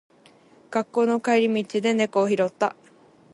学校の帰り道で猫を拾った。